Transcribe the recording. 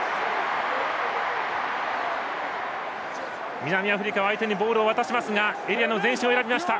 南アフリカは相手にボールを渡しますがエリアの前進を選びました。